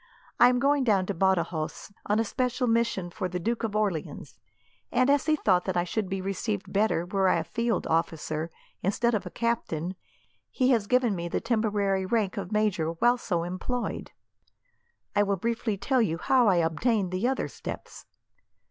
I am going down to Badajos, on a special mission for the Duke of Orleans, and as he thought that I should be received better were I a field officer, instead of captain, he has given me the temporary rank of major while so employed. "I will briefly tell you how I obtained the other steps.